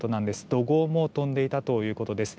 怒号も飛んでいたということです。